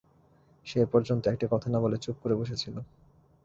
সে এ পর্যন্ত একটি কথা না বলে চুপ করে বসে ছিল।